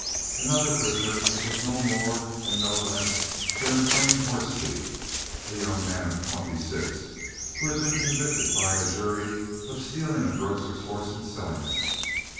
Another prisoner was no more and no less than a plain horse thief, a young man of twenty six, who had been convicted by a jury of stealing a grocer's horse and selling it.